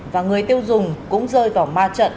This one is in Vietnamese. và người tiêu dùng cũng rơi vào ma trận